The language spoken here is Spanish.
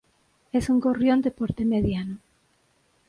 Es un gorrión de porte mediano.